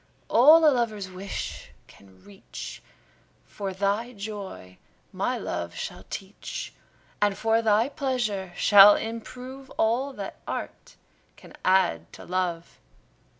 All a lover's wish can reach, For thy joy my love shall teach; And for thy pleasure shall improve All that art can add to love.